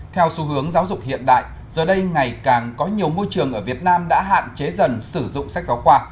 theo xu hướng giáo dục hiện đại giờ đây ngày càng có nhiều môi trường ở việt nam đã hạn chế dần sử dụng sách giáo khoa